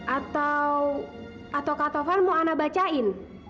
atau atau kak tovan mau ana bacain